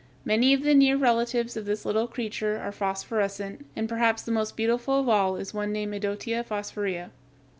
Many of the near relatives of this little creature are phosphorescent, and perhaps the most beautiful of all is one named Idotea phosphorea.